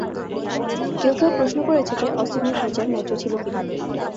কেউ কেউ প্রশ্ন করেছে যে অস্টিনের বিচার ন্যায্য ছিল কি না।